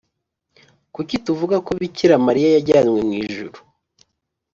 kuki tuvuga ko bikira mariya yajyanywe mu ijuru